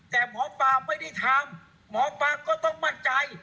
แต่หมอปลาไม่ได้ทำหมอปลาก็ต้องมั่นใจ